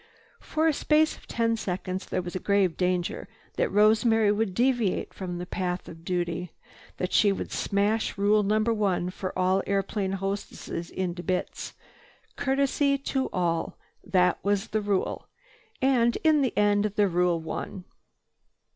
For a space of ten seconds there was grave danger that Rosemary would deviate from the path of duty, that she would smash Rule No. 1 for all airplane hostesses into bits. "Courtesy to all," that was the rule. And in the end the rule won.